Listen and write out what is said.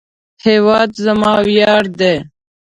هیواد زما ویاړ دی